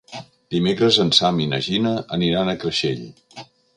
Dimecres en Sam i na Gina aniran a Creixell.